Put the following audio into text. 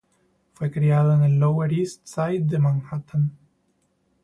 Fue criado en el Lower East Side de Manhattan.